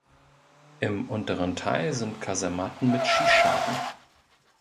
Im unteren Teil sind Kasematten mit Schießscharten.